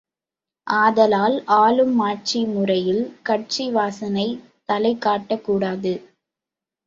ஆதலால் ஆளும் ஆட்சி முறையில் கட்சி வாசனை தலைக்காட்டக்கூடாது.